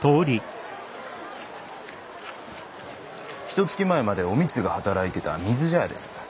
ひとつき前までお美津が働いてた水茶屋です。